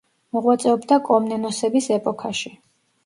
მოღვაწეობდა კომნენოსების ეპოქაში.